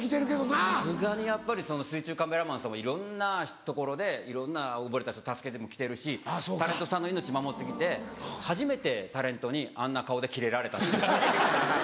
さすがにやっぱりその水中カメラマンさんもいろんな所でいろんな溺れた人助けて来てるしタレントさんの命守って来て「初めてタレントにあんな顔でキレられた」って。